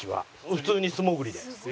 普通に素潜りで。